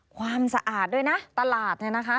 ความสะอาดด้วยนะตลาดเนี่ยนะคะ